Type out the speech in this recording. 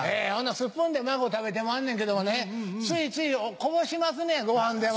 スプーンで孫食べてまんねんけどもねついついこぼしますねやごはんでも。